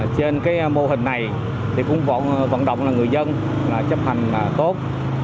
trên mô hình này cũng vận động người dân chấp hành tốt